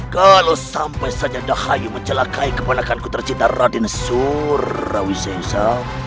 kalau sampai saja dahaya mencelakai kebenakanku tercinta raden surawisa